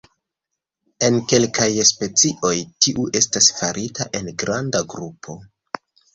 En kelkaj specioj, tiu estas farita en granda grupo.